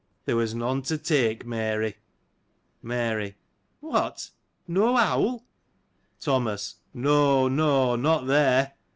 There was none to take, Mary. Mary. — What, no owl ? Thomas, — No ! no ! not there